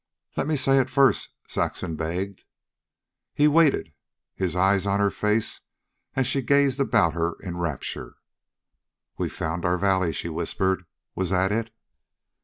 "Let me say it first," Saxon begged. He waited, his eyes on her face as she gazed about her in rapture. "We've found our valley," she whispered. "Was that it?"